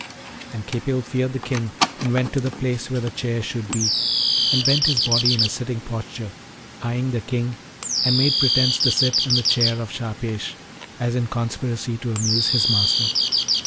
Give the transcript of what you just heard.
And Khipil feared the King, and went to the place where the chair should be, and bent his body in a sitting posture, eyeing the King, and made pretence to sit in the chair of Shahpesh, as in conspiracy to amuse his master.